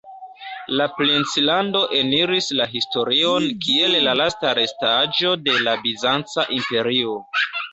La princlando eniris la historion kiel la lasta restaĵo de la Bizanca Imperio.